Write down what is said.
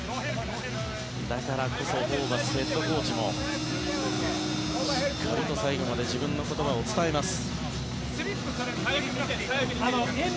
だからこそホーバスヘッドコーチもしっかりと最後まで自分の言葉を伝えます。